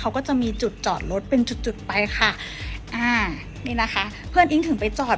เขาก็จะมีจุดจอดรถเป็นจุดจุดไปค่ะอ่านี่นะคะเพื่อนอิ๊งถึงไปจอด